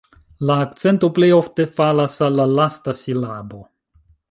La akcento plej ofte falas al la lasta silabo.